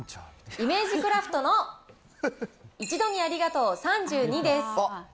イメージクラフトのいちどにありがとう３２です。